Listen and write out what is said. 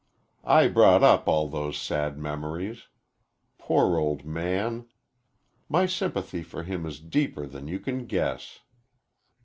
I brought up all those sad memories. Poor old man! My sympathy for him is deeper than you can guess."